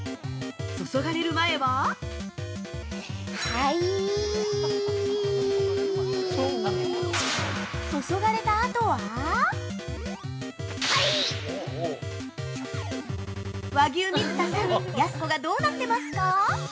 注がれる前は◆注がれたあとは和牛・水田さんやす子がどうなってますか？